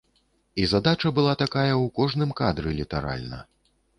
І задача была такая ў кожным кадры літаральна.